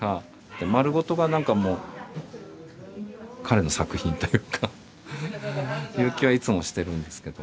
丸ごとが何かもう彼の作品というかそういう気はいつもしてるんですけど。